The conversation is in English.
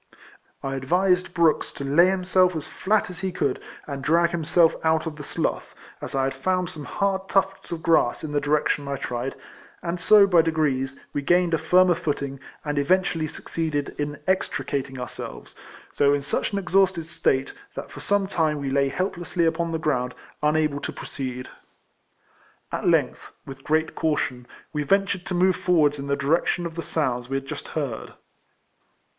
I advised Brooks to 212 RECOLLECTIONS OF lay himself as flat as he could, and drag him self out of the slough, as I had found some hard tufts of grass in the direction I tried; and so, by degrees, we gained a firmer foot ing, and eventually succeeded in extricating ourselves, though in such an exhausted state, that for some time we lay helplessly upon the ground, unable to j^roceed. At length with great caution, we ven tured to move forwards in the direction of the sounds we had just heard.